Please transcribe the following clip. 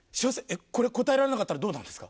これ答えられなかったらどうなるんですか？